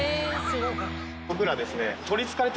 僕らですね。